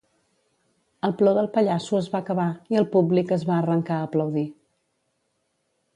El plor del pallasso es va acabar i el públic es va arrencar a aplaudir.